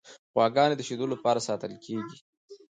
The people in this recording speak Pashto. غواګانې د شیدو لپاره ساتل کیږي.